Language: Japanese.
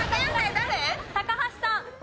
高橋さん。